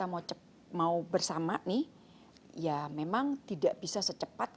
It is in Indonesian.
kalau kita mau bersama nih ya memang tidak bisa secara langsung